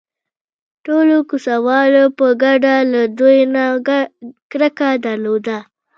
ټولو کوڅه والو په ګډه له دوی نه کرکه درلوده.